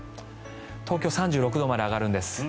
東京、３６度まで上がるんです。